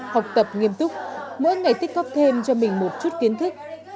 và rất nghiêm túc mỗi ngày tích góp thêm cho mình một chút kiến thức